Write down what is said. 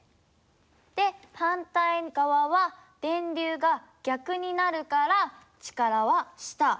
で反対側は電流が逆になるから力は下。